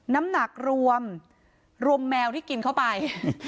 น้ำหนักรวมรวมแมวที่กินเข้าไป